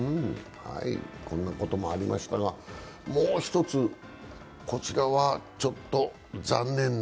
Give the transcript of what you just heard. こんなこともありましたがもう一つ、こちらは残念な。